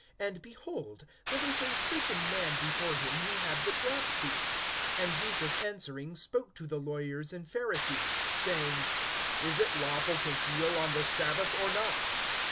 (2)And, behold, there was a certain man before him who had the dropsy. (3)And Jesus answering spoke to the lawyers and Pharisees, saying: Is it lawful to heal on the sabbath, or not?